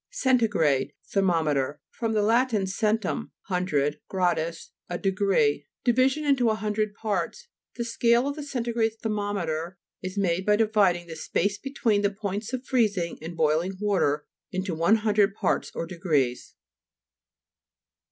CENTIGRADE (Thermometer) fr. lat. centum, hundred, gradus, a degree. Division into a hundred parts. The scale of the centigrade thermometer is made by dividing the space between the points of freezing, and boiling water, into one hundred parts or degrees.